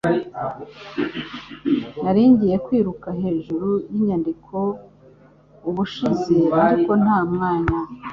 Nari ngiye kwiruka hejuru yinyandiko ubushize ariko nta mwanya